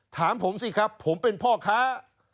ถามผมสิครับผมเป็นพ่อค้า